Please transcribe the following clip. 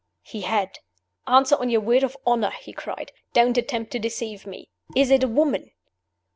He had! "Answer on your word of honor!" he cried. "Don't attempt to deceive me! Is it a woman?"